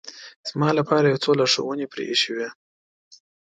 زما لپاره یو څو لارښوونې پرې اېښې وې.